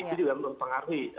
itu juga mempengaruhi